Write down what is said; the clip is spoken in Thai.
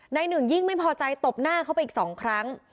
นายหนึ่งยิ่งไม่พอใจตบหน้าเข้าไปอีก๒ครั้ง